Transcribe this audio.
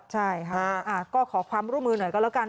ใช่ค่ะก็ขอความร่วมมือหน่อยก็แล้วกัน